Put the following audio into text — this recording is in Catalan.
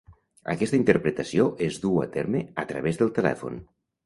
Aquesta interpretació es duu a terme a través del telèfon.